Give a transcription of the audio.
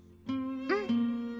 うん。